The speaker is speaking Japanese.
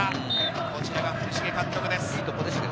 こちらは福重監督です。